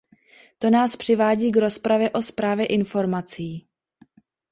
To nás přivádí k rozpravě o správě informací.